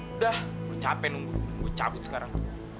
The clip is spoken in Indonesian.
udah gue capek nunggu gue cabut sekarang